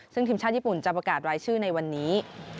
ซึ่งทีมชาติญี่ปุ่นจะประกาศรายชื่อในวันนี้